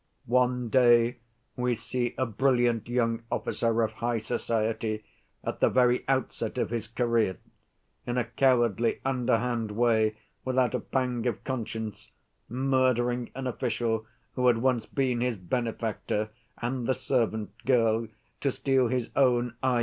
"One day we see a brilliant young officer of high society, at the very outset of his career, in a cowardly underhand way, without a pang of conscience, murdering an official who had once been his benefactor, and the servant girl, to steal his own I.